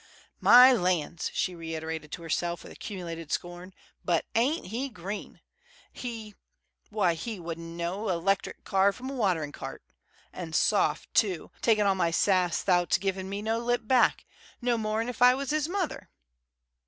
"My lands!" she reiterated to herself, with accumulated scorn, "but ain't he green? He why, he wouldn't know a 'lectric car from a waterin' cart. An' soft, too, takin' all my sass 'thout givin' me no lip back, no more 'n if I was his mother!"